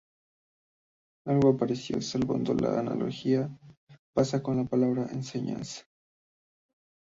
Algo parecido, salvando la analogía, pasa con la palabra enseñanza.